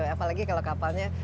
apalagi kalau kapalnya